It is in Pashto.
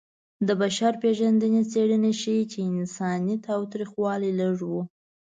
د بشر پېژندنې څېړنې ښيي چې انساني تاوتریخوالی لږ و.